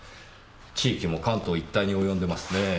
地域も関東一帯に及んでますねぇ。